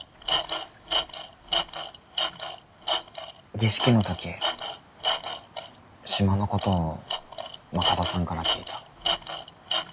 儀式の時島のことを馬門さんから聞いた。